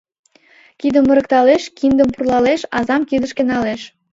Кидым ырыкталеш, киндым пурлалеш, азам кидышке налеш.